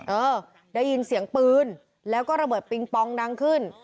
เออได้ยินเสียงปืนแล้วก็ระเบิดปิงปองดังขึ้น